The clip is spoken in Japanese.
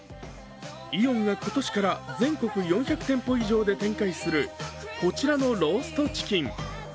イオンが今年から全国４００店舗以上で展開するこちらのローストチキン。